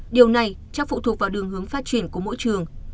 điều này cho phụ thuộc vào đường hướng phát triển của mỗi trường